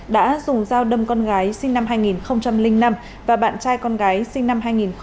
đã dùng dao đâm con gái sinh năm hai nghìn năm và bạn trai con gái sinh năm hai nghìn một mươi